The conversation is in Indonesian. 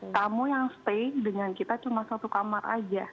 kamu yang stay dengan kita cuma satu kamar aja